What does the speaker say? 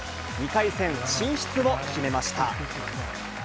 ２回戦進出を決めました。